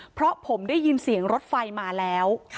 เพราะผมได้ยินเสียงรถไฟมาแล้ว